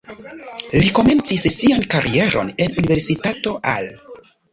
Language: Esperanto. Li komencis sian karieron en Universitato Al.